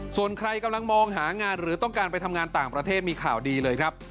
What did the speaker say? ส่วนใครกำลังมองหางานหรือต้องการไปทำงานต่างประเทศมีข่าวดีเลยครับ